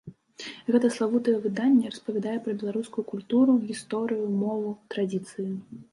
Гэтае славутае выданне распавядае пра беларускую культуру, гісторыю, мову, традыцыі.